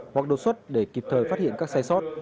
hoặc đột xuất để kịp thời phát hiện các sai sót